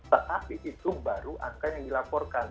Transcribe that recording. tetapi itu baru angka yang dilaporkan